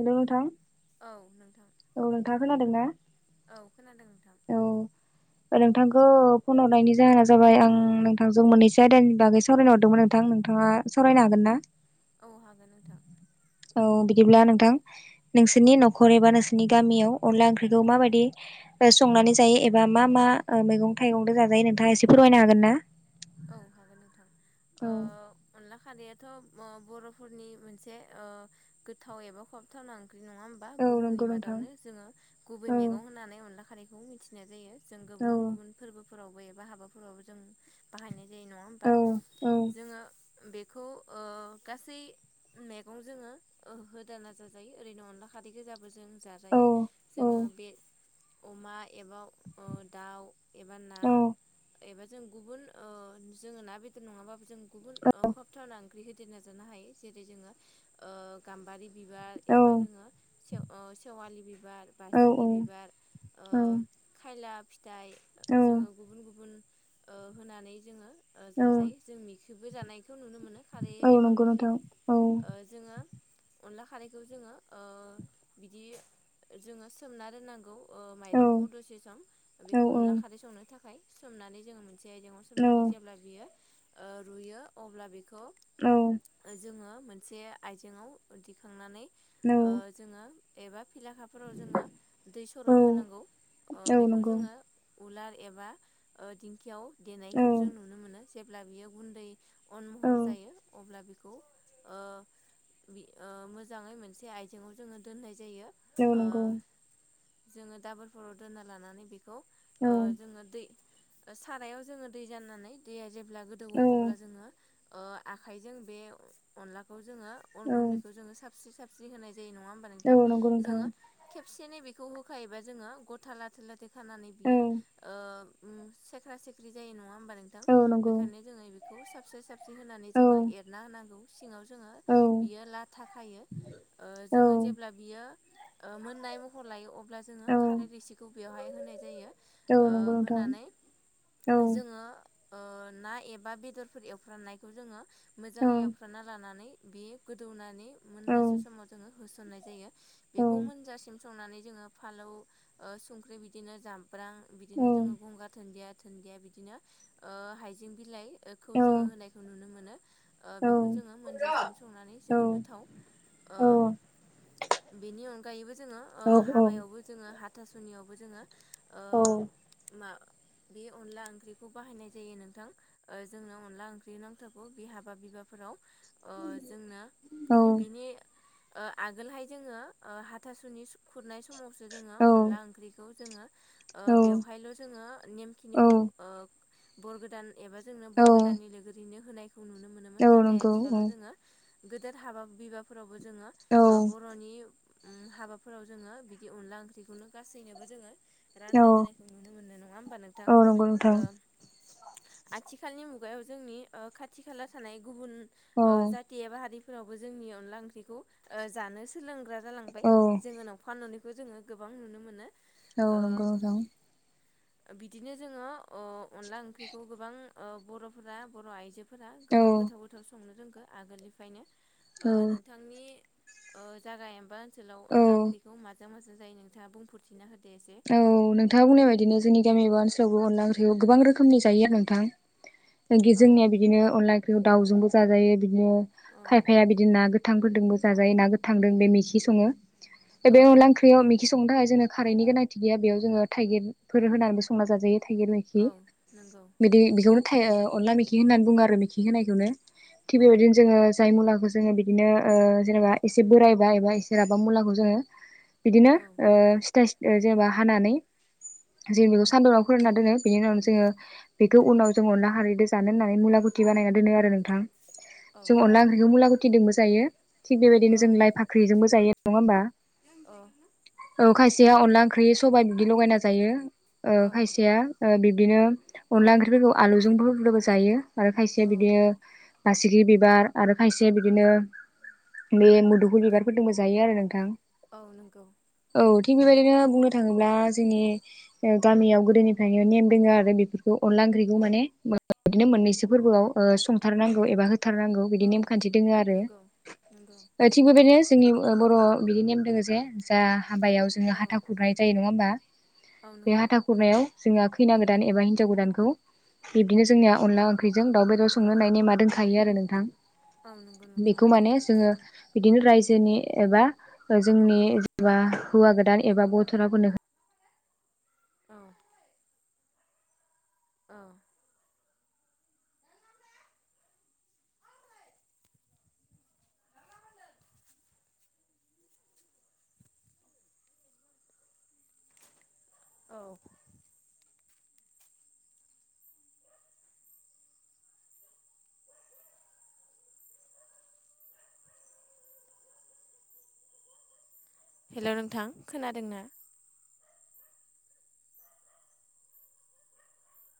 हेल' नोंथां। औ नों औ नोंथाङा खोनादोंना? औ [inaudible] नोंथांखौ फन हरनायनि जाहोना जाबाय आं नोंथांजों मोननैसो आयदानि बागै सावरायनो हरदोंमोन नोंथां। नोंथाङा सावरायनो हागोन ना औ हागोन नोंथां औ बिदिब्ला नोंथां नोंसोरनि न'खर एबा नोंसोरनि गामियाव अनला ओंख्रिखौ माबायदियै संनानै जायो एबा मा मा मैगं थाइगंजों जाजायो नोंथाङा एसे फोरमायनो हागोन ना? औ हागोन नोंथां। औ। ओ [unintelligible] बर'फोरनि मोनसे गोथाव एबा खहाबथावना। नङा होमबा औ बुहुमनि नंगौ नोंथां मादावनो जोङो गुबै औ मैगं होननानै अनला खारैखौ मिथिनाय जायो। जों औ गुबुन गुबुन फोरबोफोरावबो एबा हाबाफोरावबो जों बाहायनाय नङा औ होमबा औ जोङो बेखौ गासै मैगं जोङो होदाना जाजायो ओरैनो अनला खारै गोजाबो जों औ जाजायो औ जोङो बे अमा एबा दाउ एबा ना औ एबा जों गुबुन जोङो ना बेदर नङाबाबो जों गुबुन खबथावना ओंख्रि होदेरना जानो हायो जेरै जोङो गाम्बारि बिबार औ एबा जोङो से सेवालि बिबार बासिगि बिबार खायला फिथाइ औ जोङो गुबुन गुबुन होनानै जोङो औ जाजायो जों मिखबो जानायखौ नुनो मोनो खारै औ एबा नंगौ मिखि नोंथां औ जोङो अनला खारैखौ जोङो बिदि जोङो सोमना दोननांगौ। औ माइरंखौ दसे सम औ बेखौ अनला खारै संनो थाखाय सोमनानै जोङो मोन सोमनानै जेब्ला बियो रुयो अब्ला बेखौ औ जोङो मोनसे आइजेंआव दिखांनानै औ जोङो एबा लेखाफोराव जोङो दै औ सरद होनांगौ औ बेखौ नंगौ जोङो उलार एबा दिंखियाव औ देनायखौ जों नुनो मोनो जेब्ला बियो गुन्दै अन औ महर जायो अब्ला बेखौ मोजाङै मोनसे आइजेंआव जोङो दानाय ज औ नंगौ दाबोराव ल बेखौ औ जोंङो दै सारायाव जों दै अब्ला गोदौ औ अब्ला जोङो आखाइजों बे अनला, जोङो अन औ गुन्दैखौ जोङो सास्रि सास्रि होनाय जायो नङा होमबा औ नोंथां नंगौ नोंथां जोङो खेब खबसेनो बेखौ होखायोबा जोङो गथा लाथो लाथो खानानै औ बियो ओ उम सेख्रा सेख्रि जायो नङा, होनबा नोंथां औ नंगौ बेखायनो जोङो बेखौ साबसे साबसेन होनानै औ जोङो एरना होनांगौ, सिङाव जोङो औ बियो लाथा खायो ओ जोङो औ जेब्ला बियो, ओ मोननाय महर लायो अब्ला जोङो औ खारै रिसिखौ बेवहाय होनाय जायो। औ ओ नंगौ नोंथां, होनानै औ जोङो ओ ना एबा बेदरफोर एवफ्रामनायखौ जोङो, औ मोजाङै एवफ्रानना लानानै बे गोदौनानै औ मोननोसो समाव जोङो होसननाय जायो। औ बेखौ मोनजासिम संनानै जोङो फालौ संख्रि बिदिनो जाम, ब्रा औ बिदिनो जोङो गंगार दुन्दिया दुन्दिया बिदिनो हाइजें बिलाइ, खौ औ जोङो औ होनायखौ नुनो मोनो ओ बेखौ जोङो मोनजासिम संनानै जोबोर गोथाव, ओ बेनि अनगायैबो जोङो औ नंगौ ओ। हाबायावबो जोङो आथासुनियावबो जोङो ओ मा बे अनला ओंख्रिखौ बाहायनाय जायो नोंथां जोंनो अनला ओंख्रि नांथारगौ बे हाबा बिबाफोराव, ओ जोंनो बिनि, ओ आगोलहाय जोङो हाथासुनि खुरनाय समावसो जोङो अनला ओंख्रिखौ जोङो, ओ बेवहायल' जोङो नेमखिनिखौ ओ बर' गोदान, एबा जोंनो बर' गोदाननि लोगोरिनो होनायखौ नुनो मोनोमोन नाथाय आथिखालाव जोङो, गेदेर हाबा बिबाफोरावबोजोङो औ ओ बर'नि, उम हाबाफोराव जोङो बिदि अनला ओंख्रिखौनो गासैनोबो जोङो, रानना होनायखौ नुनो मोनो नङा होमबा नोंथां, नंगौ नंगौ नोंथां, ओ आथिखालनि मुगायावजोंनि ओ खाथि खाला थानाय गुबुन औ ओ जाथि एबा हारि, फोरावबो जोंनि अनला ओंख्रिखौ ओ जानो सोलोंग्रा जालांबाय औ जोङो न'फा नै, खौ जोङो गोबां नुनो मोनो, औ ओ नंगौ रं बिदिनो जोङो ओ अनला ओंख्रिखौ गोबां बर'फोरा बर' आइजो, फोर औ गोबां गोथाव गोथाव संनो रोंगो आगोलनिफ्रायनो औ नोंथांनि, ओ जागा एमबा ओनसोलाव औ अनला ओंख्रिखौ माजों मोजां जायो नोंथाङा बुंफोरथिना होदो, एसे औ नोंथाङा बुंनाय बायदिनो जोंनि गामि एब ओनसोल अनला ओंख्रिखौ गोबां रोखोमनि जायो आरो नोंथां औ जोंनिया बिदिनो अनला ओंख्रिखौ दावजोंबो, जाजायो बिदिनो औ खायफाया बिदिनो ना गोथांफोरदोंबो जाजायो ना गोथांदों बे मेखि सङो, औ बे अनला ओंख्रियाव मेखि संनो थाखाय जोंङो खारैनि गोनांथि गैया बेयाव जोङो थाइगिरफोर होनानैबो संना जाजायो थाइगिर मोखि औ नंगौ बिदि बेखौनो थायोओ अनला मोखि होननानै बुङो आरो मिखि होनायखौनो थिग औ बेबायदिनो नंगौ जोङो जाय मुलाखौ जोङो बिदिनो ओ जेनेबा एसे बोरायबाय एबा एसे राबा मुलाखौ जोङो, बिदिनो औ ओ सिथा सि जेनेबा हानानै, जों बेखौ सानदुंवाव फोरानना दोनो बेनि उनावनो जोङो बेखौ उनाव जोङो अनला खारैदो जानो होन्नानै मुलाखो खि बानायना दोनो आरो नोंथां, औ जों अनला ओंख्रिखौ मुलागुथिजोंबो जायो थिग बेबायदिनो औ जों लाइ फाख्रिजोंबो जायो नङा होनबा, [inaudible] खायसेया अनला ओंख्रि सबाय बिदि लगायना जायो ओ औ खायसेया ओ बि बिदिनो अनला ओंख्रिफोरखौ आलुजोंफोरखौबो जायो आरो खायसेया बिदियो, बासिगि बिबार आरो खायसे बिदिनो बे मोदुलफुर बिबारफोरदोंबो जायो आरो नोंथां, औ नंगौ औ थिक बेबायदिनो बुंनो, थाङोब्ला जोंनि गामियाव गोदोनिफ्रायनो नेम दोङो आरो बेफोरखौ अनला ओंख्रिखौ माने बिदिनो मोननैसो फोरबोआव ओ संथारनांगौ एबा, होथारनांगौ बिदि औ नेमखान्थि दङ आरो नंगौ नंगौ थिग बेबायनो जोंनि बर' बिदि नेम दोङो जे जा हाबायाव जोङो औ हाथा खुरनाय जायो नङा होमबा औ बे नंगौ हाथा खुरनायाव जोंहा खैना गोदान एबा हिनजाव गोदानखौ बिब्दिनो जोंनिया अनला ओंख्रिजों दाव बेदर संनो होनाय नेमा दंखायो आरो नोंथां औ नंगौ नोंथां बेखौ माने जोङो बिदिनो रायजोनि एबा जोंनिबा हौवा गोदान एबा [unintelligible] औ औ औ हेल' नोंथां खोनादों ना?